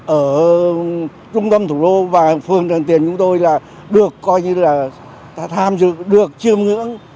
ở trung tâm thủ đô và phường trần tiền chúng tôi là được coi như là tham dự được chiêm ngưỡng